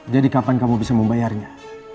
jadi kapan kamu bisa membayarnya